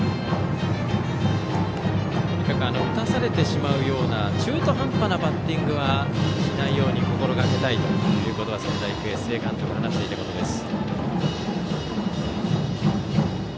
打たされてしまうような中途半端なバッティングはしないように心がけたいと仙台育英、須江監督が話していたことです。